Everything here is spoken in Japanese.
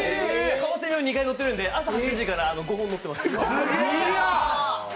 カワセミも２回乗ってるので、朝８時から５本乗ってます。